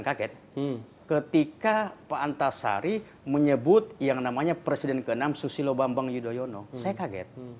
kaget ketika pak antasari menyebut yang namanya presiden ke enam susilo bambang yudhoyono saya kaget